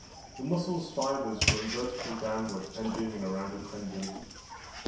The muscle's fibers run vertically downward, ending in a rounded tendon.